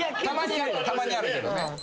たまにあるけどね。